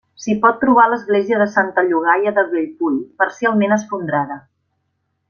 S'hi pot trobar l'església de Santa Llogaia de Bellpui, parcialment esfondrada.